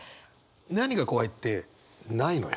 何が怖いってないのよ。